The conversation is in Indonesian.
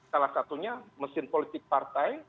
salah satunya mesin politik partai